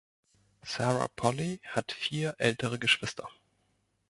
Sarah Polley hat vier ältere Geschwister.